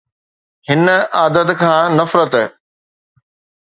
هن عادت کان نفرت